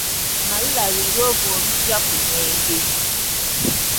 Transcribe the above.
Amalula lwe lwovu oluggya ku mwenge.